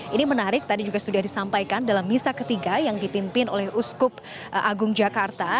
ini menarik tadi juga sudah disampaikan dalam misa ketiga yang dipimpin oleh uskup agung jakarta